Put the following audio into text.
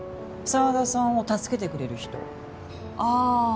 沢田さんを助けてくれる人ああ